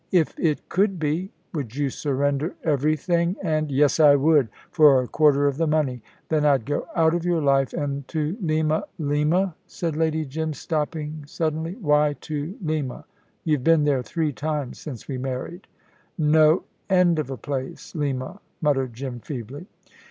"If it could be, would you surrender everything and ?" "Yes, I would, for a quarter of the money. Then I'd go out of your life an' to Lima " "Lima," said Lady Jim, stopping suddenly. "Why to Lima? You've been there three times since we married." "No end of a place, Lima," muttered Jim, feebly.